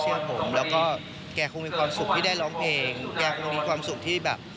เชื่อผมแล้วก็แกคงมีความสุขที่ได้ร้องเพลงแกคงมีความสุขที่แบบ